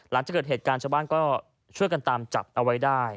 หลังจากเกิดเหตุการณ์ชาวบ้านก็ช่วยกันตามจับเอาไว้ได้